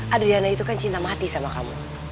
adriana itu kan cinta mati sama kamu